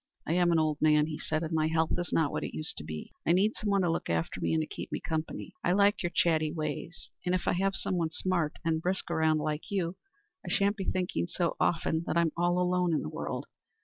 "I am an old man," he said, "and my health is not what it used to be. I need someone to look after me and to keep me company. I like your chatty ways, and, if I have someone smart and brisk around like you, I sha'n't be thinking so often that I'm all alone in the world.